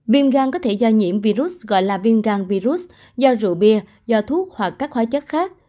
viêm gan có thể do nhiễm virus gọi là viêm gan virus do rượu bia do thuốc hoặc các hóa chất khác